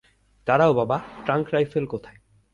দাঁড়াও বাবা, trunk rifle কোথায়?